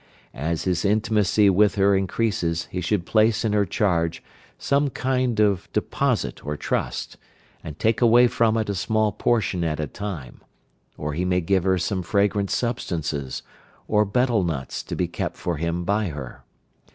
As his intimacy with her increases he should place in her charge some kind of deposit or trust, and take away from it a small portion at a time; or he may give her some fragrant substances, or betel nuts to be kept for him by her.